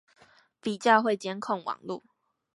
比較會監控網路